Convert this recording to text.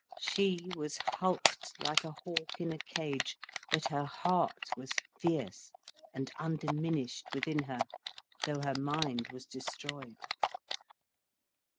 She was hulked like a hawk in a cage, but her heart was fierce and undiminished within her, though her mind was destroyed.